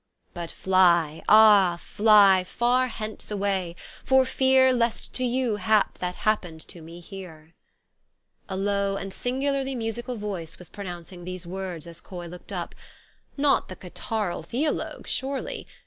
" But fly, ah ! fly far hence away, for feare Lest to you hap that happened to me heare." A low and singularly musical voice was pronoun cing these words as Coy looked up ; not the catarrh al theologue, surely?